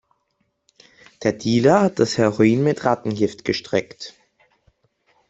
Der Dealer hat das Heroin mit Rattengift gestreckt.